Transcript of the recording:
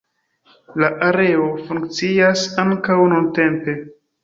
La areo funkcias ankaŭ nuntempe.